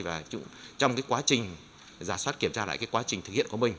và trong cái quá trình giả soát kiểm tra lại cái quá trình thực hiện của mình